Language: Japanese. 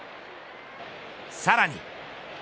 さらに。